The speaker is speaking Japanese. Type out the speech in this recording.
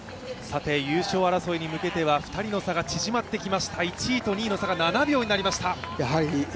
優勝争いに向けては２人の差が縮まってきました１位と２位の差が７秒になりました。